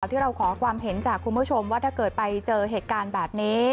ที่เราขอความเห็นจากคุณผู้ชมว่าถ้าเกิดไปเจอเหตุการณ์แบบนี้